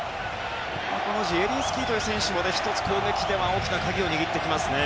このジエリンスキという選手も１つ、攻撃では大きな鍵を握ってきますね。